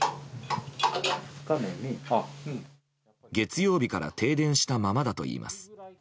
月曜日から停電したままだといいます。